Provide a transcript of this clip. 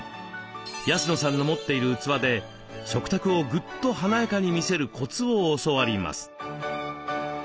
安野さんの持っている器で食卓をぐっと華やかに見せるコツを教わります。